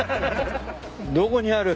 どこにある？